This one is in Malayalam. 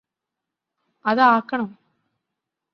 അത് ആക്കണോ